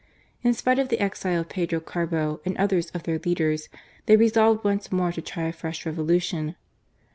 In spite of the exile of Pedro Carbo and others of their leaders, they resolved once more to try a fresh Revolution.